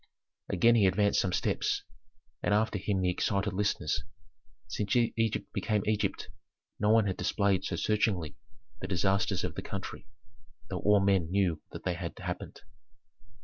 Again he advanced some steps, and after him the excited listeners. Since Egypt became Egypt, no one had displayed so searchingly the disasters of the country, though all men knew that they had happened.